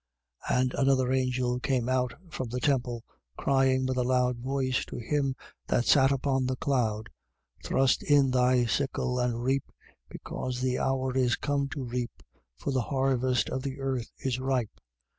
14:15. And another angel came out from the temple, crying with a loud voice to him that sat upon the cloud: Thrust in thy sickle and reap, because the hour is come to reap. For the harvest of the earth is ripe.